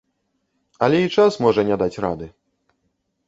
Але і час можа не даць рады.